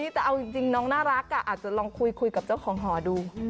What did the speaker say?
แต่เอาจริงน้องน่ารักอาจจะลองคุยกับเจ้าของหอดู